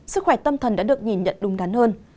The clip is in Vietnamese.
sức khỏe tâm thần đã được nhìn nhận đúng đắn hơn